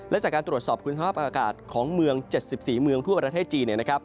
และจากการตรวจสอบคุณภาพอากาศของเมือง๗๔เมืองทั่วประเทศจีน